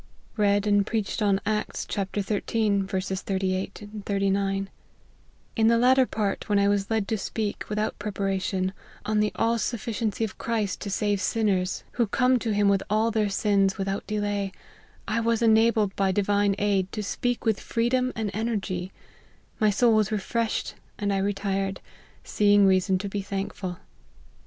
Read and preached on Acts xiii. 38, 39 In the latter part, when I was led to speak, without preparation, on the all sufficiency of Christ to save 56 LIFE OF HlfsRY MARTYX. sinners, who come to him with all their sins with out delay, I was enabled by divine aid, to speak with freedom and energy : my soul was refreshed, and I retired, seeing reason to be thankful.